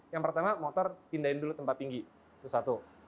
yang pertama motor pindahin dulu tempat tinggi itu satu